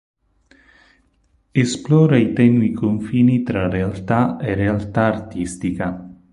Esplora i tenui confini tra realtà e realtà artistica.